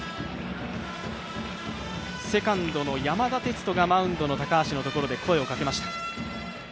セカンドの山田哲人がマウンドの高橋のところで声をかけました。